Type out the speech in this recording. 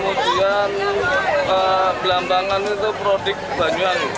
kemudian belambangan itu produk banyuwangi